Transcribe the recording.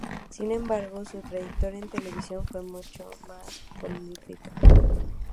Sin embargo, su trayectoria en televisión fue mucho más prolífica.